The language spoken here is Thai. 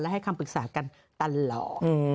ให้คำปรึกษากันตลอด